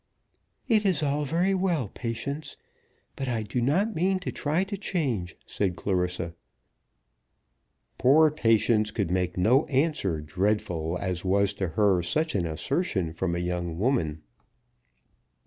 "It is all very well, Patience, but I do not mean to try to change," said Clarissa. Poor Patience could make no answer, dreadful as was to her such an assertion from a young woman.